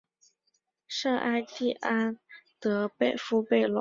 圣艾蒂安德丰贝隆。